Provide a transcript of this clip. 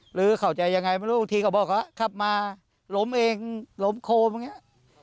หรือเขาจะยังไงไม่รู้บางทีเขาบอกเขาขับมาล้มเองล้มโคมอย่างนี้